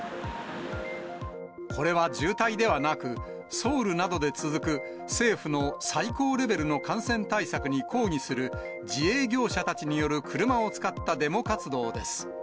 これは渋滞ではなく、ソウルなどで続く、政府の最高レベルの感染対策に抗議する、自営業者たちによる車を使ったデモ活動です。